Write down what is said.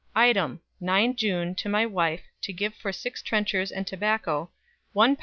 It. 9 June to my wife to give for sax trenchers and tobacco 1. 13.